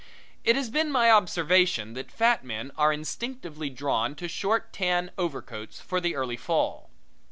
It has been my observation that fat men are instinctively drawn to short tan overcoats for the early fall.